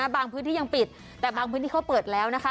บางพื้นที่ยังปิดแต่บางพื้นที่เขาเปิดแล้วนะคะ